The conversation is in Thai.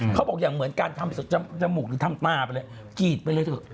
เขาบอกอย่างเหมือนการทำจมูกหรือทำตาไปเลยกรีดไปเลยเถอะ